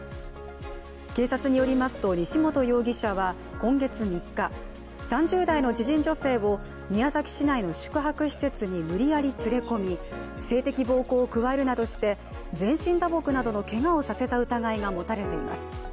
警察によりますと西本容疑者は今月３日、３０代の知人女性を宮崎市内の宿泊施設に無理やり連れ込み性的暴行を加えるなどして全身打撲などのけがをさせた疑いが持たれています。